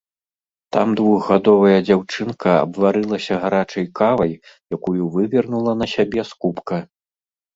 Там двухгадовая дзяўчынка абварылася гарачай кавай, якую вывернула на сябе з кубка.